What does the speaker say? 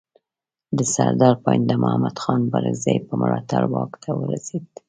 د سردار پاینده محمد خان بارکزي په ملاتړ واک ته ورسېد.